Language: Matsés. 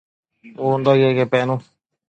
Bundoquiobi que penu